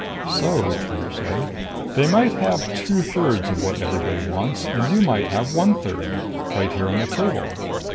"So," Trigger said, "they might have two thirds of what everybody wants, and you might have one third. Right here on the table.